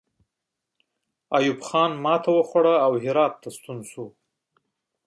ایوب خان ماته وخوړه او هرات ته ستون شو.